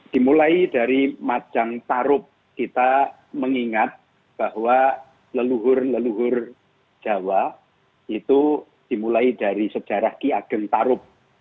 dimulai dari majang tarub kita mengingat bahwa leluhur leluhur jawa itu dimulai dari sejarah ki ageng tarub